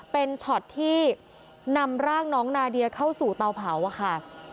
เป็นช็อตที่นำร่างน้องนาเดียเข้าสู่เตาเผาอะค่ะ